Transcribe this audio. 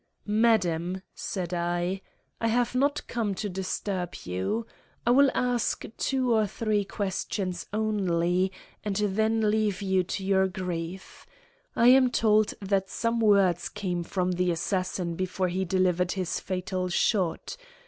"Madam," said I, "I have not come to disturb you. I will ask two or three questions only, and then leave you to your grief. I am told that some words came from the assassin before he delivered his fatal shot.